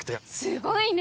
すごいね！